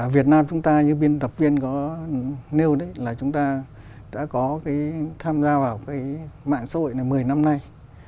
việt nam chúng ta như biên tập viên có nêu đấy là chúng ta đã có cái tham gia vào cái mạng xã hội này một mươi năm nay